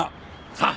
さあ。